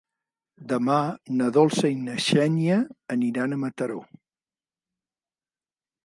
Demà na Dolça i na Xènia aniran a Mataró.